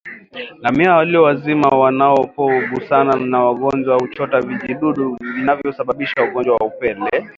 Ngamia waliowazima wanapogusana na wagonjwa huchota vijidudu vinavyosababisha ugonjwa wa upele